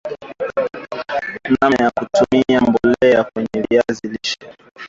namna ya kutumia mbolea kwenye viazi lishe